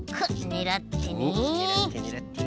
ねらってねらって。